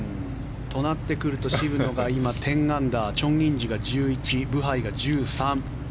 となってくると渋野が今、１０アンダーチョン・インジが１１ブハイが１３。